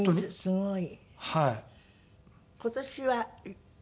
すごい。